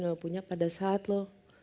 lo punya pada saat lo